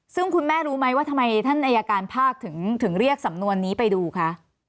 ซึ่งคุณแม่รู้ไหมว่าทำไมท่านอายการภาคถึงเรียกสำนวนนี้ไปดูคะ